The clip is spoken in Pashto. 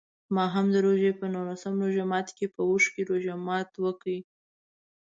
ما هم د روژې په نولسم روژه ماتي په اوښکو روژه ماته کړه.